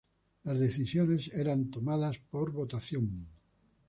Las decisiones eran tomadas por votaciones.